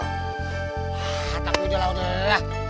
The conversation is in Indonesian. takutnya udah lawan gue